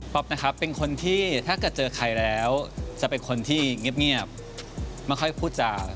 นะครับเป็นคนที่ถ้าเกิดเจอใครแล้วจะเป็นคนที่เงียบไม่ค่อยพูดจา